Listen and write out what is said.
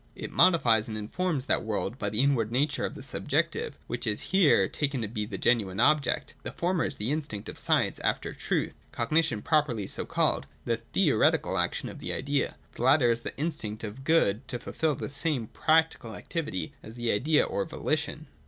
It modifies and informs that world by the inward nature of the subjective, which is here taken to be the genuine objective. The former is the instinct of science after Truth, Cognition properly so 364 THE DOCTRINE OF THE NOTION. [225 227. called :— the Theoretical action of the idea. The latter is the instinct of the Good to fulfil the same — the Practical activity of the idea or VoHtion.